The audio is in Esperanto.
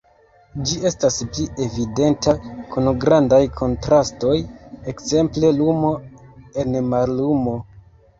Ĝi estas pli evidenta kun grandaj kontrastoj, ekzemple lumo en mallumo.